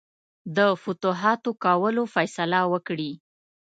د فتوحاتو کولو فیصله وکړي.